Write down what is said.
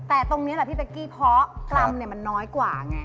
แต่ตรงเนี้ยคิดว่าพี่ตั๊กกี้เพราะกลำมันน้อยกว่าไง